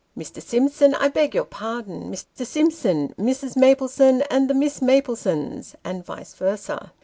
" Mr. Simpson, I beg your pardon Mr. Simpson Mrs. Maplesone and the Miss Maplesones " and vice versa.